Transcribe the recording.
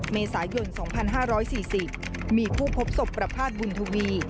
เมษายน๒๕๔๐มีผู้พบศพประพาทบุญทวี